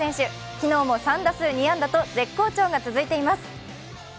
昨日も３打数２安打と絶好調が続いています。